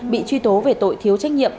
bị truy tố về tội thiếu trách nhiệm